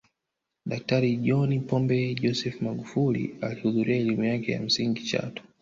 Daktari John Pombe Joseph Magufuli alihudhuria elimu yake ya msingi chato